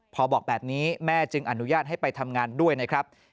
พอบอกแบบนี้แม่จึงอนุญาตให้ไปทำงานด้วยนะครับ